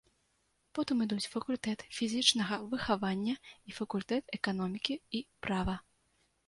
Потым ідуць факультэт фізічнага выхавання і факультэт эканомікі і права.